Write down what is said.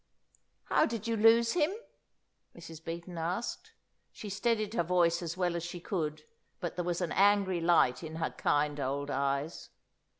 "How did you lose him?" Mrs. Beaton asked. She steadied her voice as well as she could, but there was an angry light in her kind old eyes.